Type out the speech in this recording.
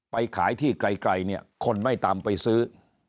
ไปขายที่ไกลเนี่ยคนไม่ตามไปซื้อ